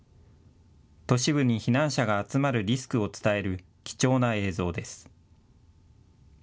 都市部に避難者が集まるリスクを伝える貴重な映像です。